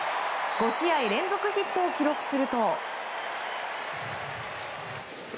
５試合連続ヒットを記録すると。